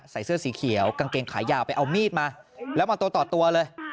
ใส่เสื้อสีเขียวกางเกงขายาวไปเอามีดมาแล้วมาตัวต่อตัวเลย